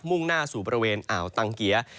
่งหน้าสู่บริเวณอ่าวตังเกียร์